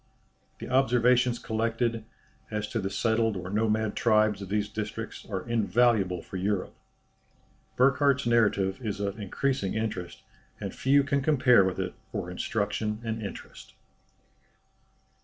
The observations collected, as to the settled or nomad tribes of these districts are invaluable for Europe. Burckhardt's narrative is of increasing interest, and few can compare with it for instruction and interest."